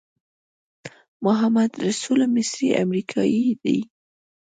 محمدرسول مصری امریکایی دی.